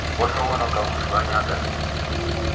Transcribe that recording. Oshoghonoka w'ushu anyaa gambili.